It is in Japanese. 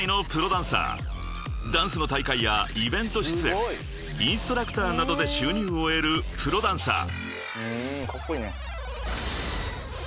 ［ダンスの大会やイベント出演インストラクターなどで収入を得るプロダンサー］